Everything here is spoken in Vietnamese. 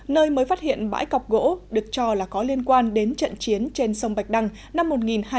nơi mới phát hiện bãi cọc gỗ được cho là có liên quan đến trận chiến trên sông bạch đăng năm một nghìn hai trăm tám mươi tám